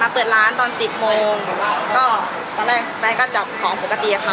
เปิดร้านตอน๑๐โมงก็ตอนแรกแฟนก็จับของปกติค่ะ